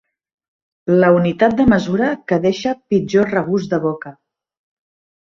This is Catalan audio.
La unitat de mesura que deixa pitjor regust de boca.